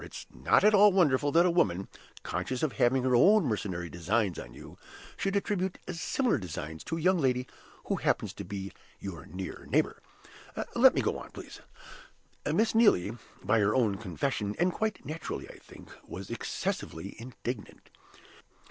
It's not at all wonderful that a woman, conscious of having her own mercenary designs on you, should attribute similar designs to a young lady who happens to be your near neighbor. Let me go on. Miss Neelie, by her own confession (and quite naturally, I think), was excessively indignant.